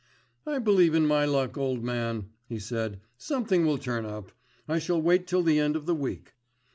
"I believe in my luck, old man," he said, "something will turn up. I shall wait till the end of the week."